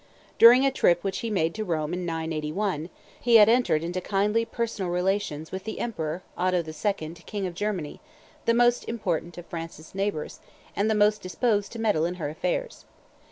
During a trip which he made to Rome in 981, he had entered into kindly personal relations with the Emperor Otho II., king of Germany, the most important of France's neighbors, and the most disposed to meddle in her affairs.